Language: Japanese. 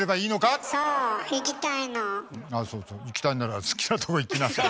あそういきたいなら好きなとこいきなさい。